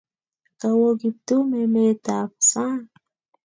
Kawo Kiptum emet ap sang'